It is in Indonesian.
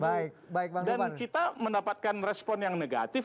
dan kita mendapatkan respon yang negatif